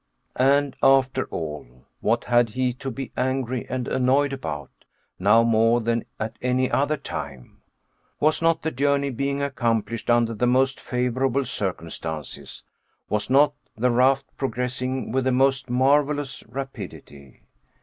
And, after all, what had he to be angry and annoyed about, now more than at any other time? Was not the journey being accomplished under the most favorable circumstances? Was not the raft progressing with the most marvelous rapidity?